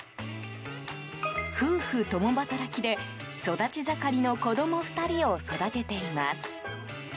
夫婦共働きで、育ち盛りの子供２人を育てています。